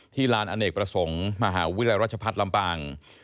ลานอเนกประสงค์มหาวิทยาลัยราชพัฒน์ลำปาง